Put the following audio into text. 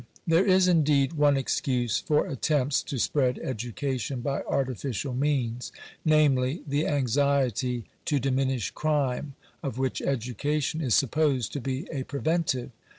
There is, indeed, one excuse for attempts to spread education by artificial means, namely, the anxiety to diminish crime, of which education is supposed to be a preventive.